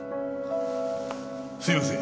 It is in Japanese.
すいません。